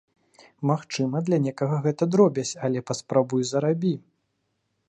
Магчыма, для некага гэта дробязь, але паспрабуй зарабі!